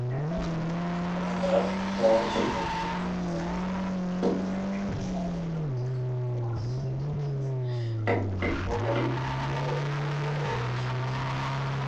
The Contractor shall document that all property was acquired consistent with property control operations.